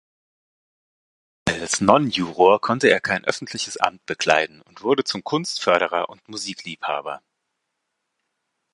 Als Non-Juror konnte er kein öffentliches Amt bekleiden und wurde zum Kunstförderer und Musikliebhaber.